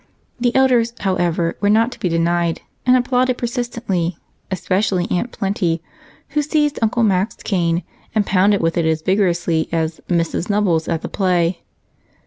The elders, however, were not to be denied and applauded persistently, especially Aunt Plenty, who seized Uncle Mac's cane and pounded with it as vigorously as "Mrs. Nubbles" at the play.